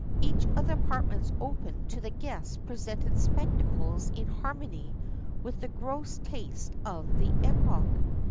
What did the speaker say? Each of the apartments open to the guests presented spectacles in harmony with the gross taste of the epoch.